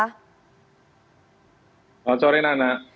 selamat sore nana